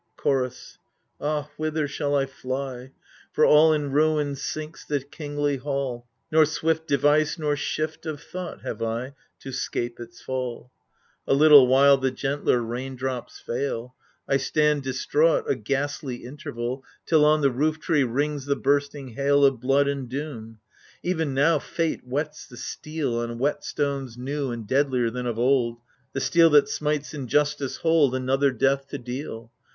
Chorus Ah whither shall I fly ? For all in ruin sinks the kingly hall ; Nor swift device nor shift of thought have I, To 'scape its fall. A little while the gentler rain drops fail ; I stand distraught — a ghastly interval, Till on the roof tree rings the bursting hail Of blood and doom. Even now fate whets the steel On whetstones new and deadlier than of old. The steel that smites, in Justice' hold, Another death to deal.